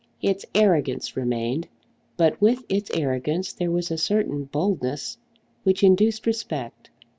Its arrogance remained, but with its arrogance there was a certain boldness which induced respect.